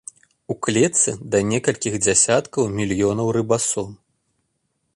У клетцы да некалькіх дзясяткаў мільёнаў рыбасом.